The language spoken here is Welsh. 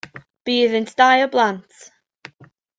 Bu iddynt dau o blant.